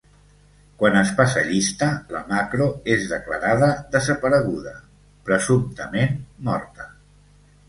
Quan es passa llista, la Macro es declarada desapareguda, presumptament morta.